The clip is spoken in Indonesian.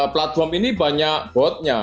platform ini banyak botnya